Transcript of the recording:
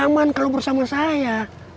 aman kalau bersama saya